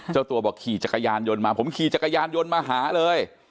เจ้าตัวบอกขี่จักรยานยนต์มาผมขี่จักรยานยนต์มาหาเลย